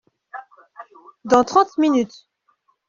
Dans trente minutes.